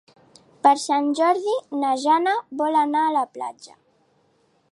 Per Sant Jordi na Jana vol anar a la platja.